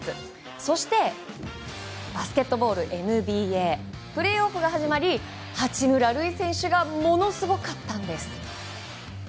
そして、バスケットボールＮＢＡプレーオフが始まり八村塁選手がものすごかったんです。